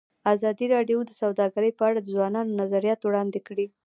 ازادي راډیو د سوداګري په اړه د ځوانانو نظریات وړاندې کړي.